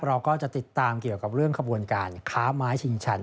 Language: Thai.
เราก็จะติดตามเกี่ยวกับเรื่องขบวนการค้าไม้ชิงชัน